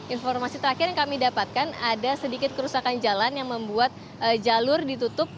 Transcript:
informasi terakhir yang kami dapatkan ada sedikit kerusakan jalan yang membuat jalur ditutup